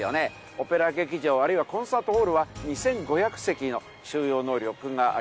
オペラ劇場あるいはコンサートホールは２５００席の収容能力があります。